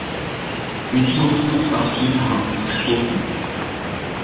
Weet u nog hoe het zat met de handelsakkoorden?